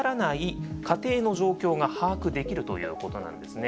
家庭の状況が把握できるということなんですね。